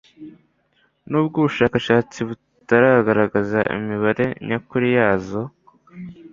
nubwo ubushakashatsi butaragaragaza imibare nyakuri yazo.